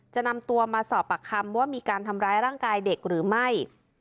จะนำตัวมาสอบปากคำว่ามีการทำร้ายร่างกายเด็กหรือไม่